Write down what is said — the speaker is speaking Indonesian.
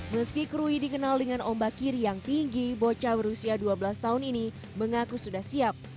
meski krui dikenal dengan ombak kiri yang tinggi bocah berusia dua belas tahun ini mengaku sudah siap